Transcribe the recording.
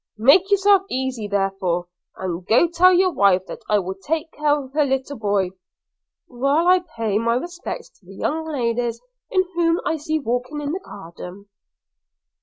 Make yourself easy therefore, and go tell your wife that I will take care of her little boy, while I pay my respects to the young ladies whom I see walking in the garden.'